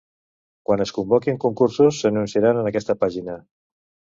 Quan es convoquin concursos s'anunciaran en aquesta pàgina.